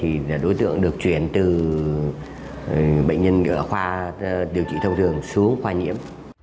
hiv thì là đối tượng được chuyển từ bệnh nhân gỡ khoa điều trị thông thường xuống qua nhiễm